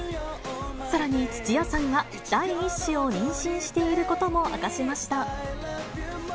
さらに、土屋さんは第１子を妊娠していることも明かしました。